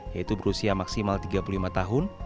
yaitu berusia maksimal tiga puluh lima tahun